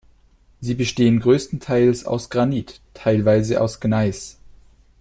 Sie bestehen größtenteils aus Granit, teilweise aus Gneis.